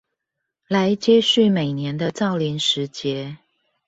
來接續每年的造林時節